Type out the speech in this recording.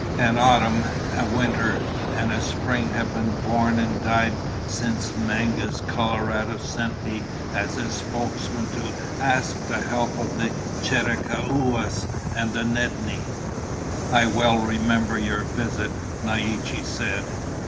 "An autumn, a winter, and a spring have been born and died since Mangus Coloradus sent me as his spokesman to ask the help of the Chiricahuas and the Nedni." "I well remember your visit," Naiche said.